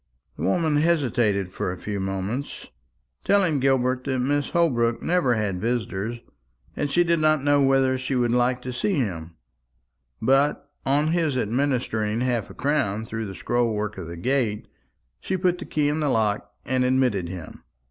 The woman hesitated for a few moments, telling Gilbert that Mrs. Holbrook never had visitors, and she did not know whether she would like to see him; but on his administering half a crown through the scroll work of the gate, she put the key in the lock and admitted him.